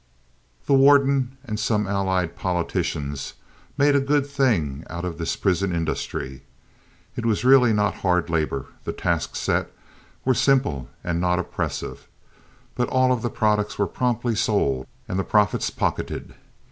The warden and some allied politicians made a good thing out of this prison industry. It was really not hard labor—the tasks set were simple and not oppressive, but all of the products were promptly sold, and the profits pocketed.